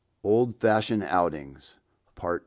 ] OLD FASHIONED OUTINGS. PART II.